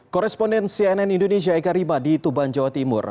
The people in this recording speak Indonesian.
koresponden cnn indonesia eka rima di tuban jawa timur